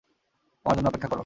আমার জন্য অপেক্ষা করো।